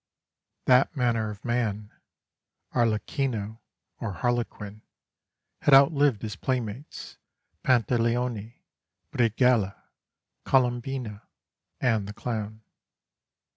That manner of man Arlecchino, or Harlequin had outlived his playmates, Pantaleone, Brighella, Colombina, and the Clown.